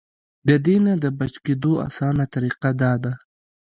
د دې نه د بچ کېدو اسانه طريقه دا ده -